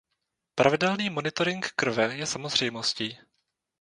Pravidelný monitoring krve je samozřejmostí.